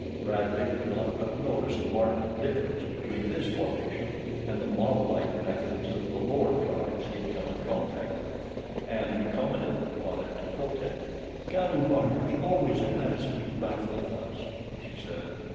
Bradley could not but notice the marked difference between this formation and the moblike methods of the lower tribes he had come in contact with, and he commented upon it to Co Tan. "Galu warriors always advance into battle thus," she said.